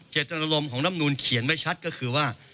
เจตนารมณ์ของลำนูนเขียนไว้ชัดก็คือว่า